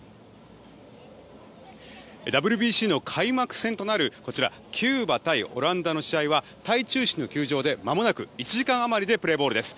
ＷＢＣの開幕戦となるこちらキューバ対オランダの試合は台中市の球場でまもなく、１時間あまりでプレーボールです。